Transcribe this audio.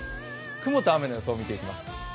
雲と雨の予想を見ていきます。